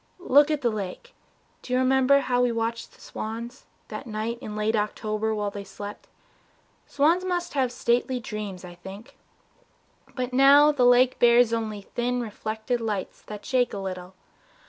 ... Look at the lake Do you remember how we watched the swans That night in late October while they slept? Swans must have stately dreams, I think. But now The lake bears only thin reflected lights That shake a little.